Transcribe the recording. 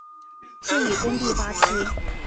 现已公布八批。